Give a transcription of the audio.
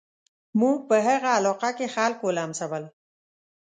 موږ په هغه علاقه کې خلک ولمسول.